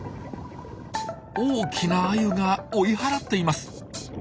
大きなアユが追い払っています。